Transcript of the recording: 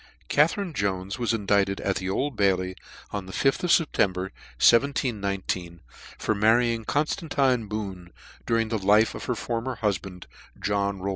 (CATHERINE JONES was indicted at the ^^ Old Bailey, on the fth of September, 1719, for marrying Conftantine Boone, during the life of her former hufband, John Rowland.